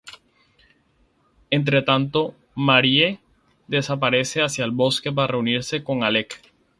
Entretanto Maurice desaparece hacia el bosque para reunirse con Alec.